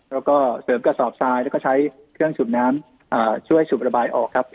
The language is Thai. แล้วก็เสริมกระสอบทรายแล้วก็ใช้เครื่องสูบน้ำช่วยสูบระบายออกครับ